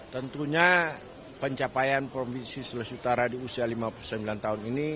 tentunya pencapaian provinsi sulawesi utara di usia lima puluh sembilan tahun ini